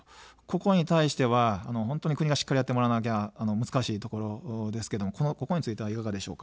ここに対しては国がしっかりやってもらわなきゃ難しいところですけど、ここはいかがですか。